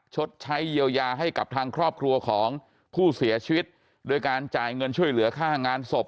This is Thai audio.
ชดใช้เยียวยาให้กับทางครอบครัวของผู้เสียชีวิตโดยการจ่ายเงินช่วยเหลือค่างานศพ